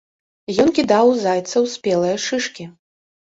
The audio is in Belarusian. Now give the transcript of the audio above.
Ён кідаў у зайцаў спелыя шышкі.